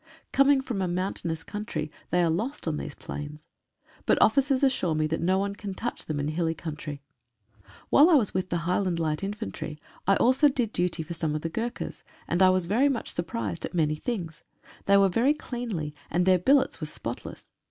Coming from a mountainous country, they are lost on these plains. But officers assure me that no one can touch them in hilly coun try. While I was with the Highland Light Infantry 142 » "A YOUNG QUEENSLANDER" November, 1915. GAHRWAL AND SIKH. I also did duty for some of the Gurkhas, and I was very much surprised at many things. They were very cleanly, and their billets were spotless.